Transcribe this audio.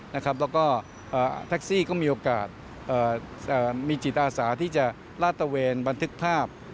แล้วก็แท็กซี่ก็มีโอกาสมีจิตอาสาที่จะลาดตะเวนบันทึกภาพ